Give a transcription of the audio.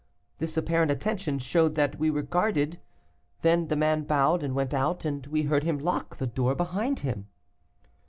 This apparent attention showed that we were guarded. Then the man bowed and went out, and we heard him lock the door behind him.